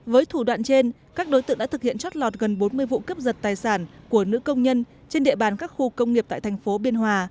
với thủ đoạn trên các đối tượng đã thực hiện trót lọt gần bốn mươi vụ cướp giật tài sản của nữ công nhân trên địa bàn các khu công nghiệp tại thành phố biên hòa